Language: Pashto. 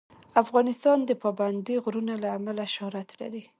افغانستان د پابندی غرونه له امله شهرت لري.